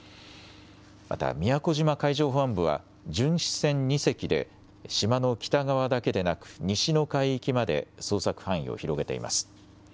また、宮古島海上保安部は、巡視船２隻で、島の北側だけでなく、西の海域まで捜索範囲を広げています。